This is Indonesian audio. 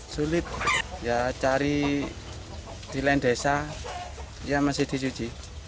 sulit ya cari di lain desa ya masih dicuci